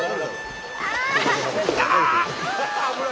ああ！